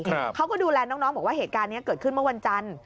เขาก็ดูแลน้องน้องบอกว่าเหตุการณ์เนี้ยเกิดขึ้นเมื่อวันจันทร์